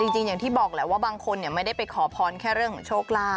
จริงอย่างที่บอกแหละว่าบางคนไม่ได้ไปขอพรแค่เรื่องของโชคลาภ